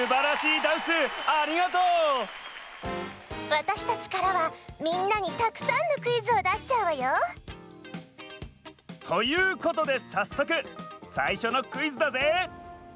わたしたちからはみんなにたくさんのクイズをだしちゃうわよ。ということでさっそくさいしょのクイズだぜ！